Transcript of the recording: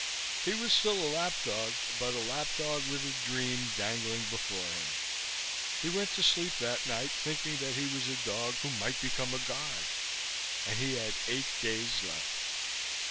He was still a lapdog, but a lapdog with a dream dangling before him. He went to sleep that night thinking that he was a dog who might become a god, and he had eight days left.